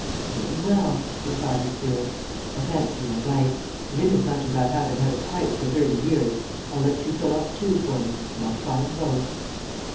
"Very well," replied the spirit. "I fancy you're right, and inasmuch as I haven't had a pipe for thirty years, I'll let you fill up two for me, and I'll try 'em both."